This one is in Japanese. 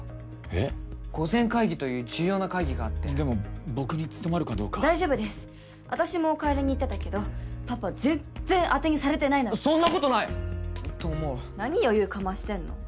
えっ？御前会議という重要な会議があってでも僕に務まるかどうか大丈夫です私も代わりに行ってたけどパパ全然当てにされてないのでそんなことない！と思う何余裕かましてんの？